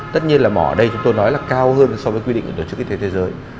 tất nhiên là mỏ ở đây chúng tôi nói là cao hơn so với quy định của tổ chức y tế thế giới